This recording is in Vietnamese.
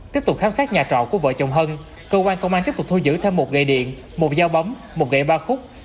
tiếp tục khám sát nhà trọ của vợ chồng hân cơ quan công an tiếp tục thu giữ thêm một gệ điện một giao bóng một gệ ba khúc